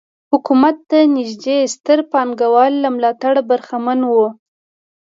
حکومت ته نږدې ستر پانګوال له ملاتړه برخمن وو.